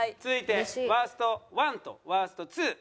続いてワースト１とワースト２。